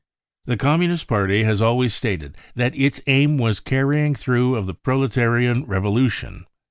The Communist Party has always stated that its aim was the carrying through of the p^Metarian revolution.